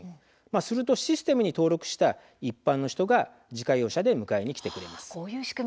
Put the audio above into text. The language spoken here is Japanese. するとシステムに登録した一般の人が自家用車で迎えに来てくれます。